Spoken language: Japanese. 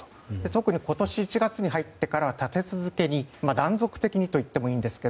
特に今年１月に入ってからは立て続けに断続的にといってもいいんですが